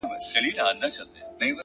ستا سومه! چي ستا سومه! چي ستا سومه!